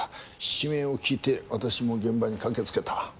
悲鳴を聞いて私も現場に駆けつけた。